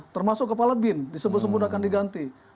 termasuk kepala bin di sebuah sebuah muda akan diganti